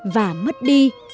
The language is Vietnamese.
và mất đi